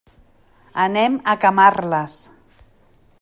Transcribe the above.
Anem a Camarles.